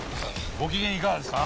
ご機嫌いかがですか？